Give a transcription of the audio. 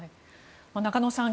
中野さん